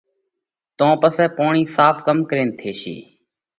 تو پسئہ پوڻِي ساڦ ڪم ڪرينَ ٿيشي؟